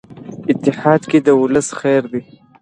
اتحاد کې د ولس خیر دی.